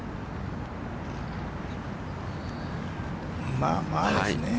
まあまあですね。